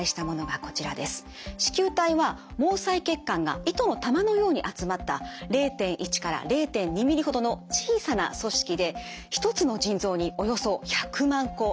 糸球体は毛細血管が糸の球のように集まった０．１から０．２ｍｍほどの小さな組織で１つの腎臓におよそ１００万個あるんだそうです。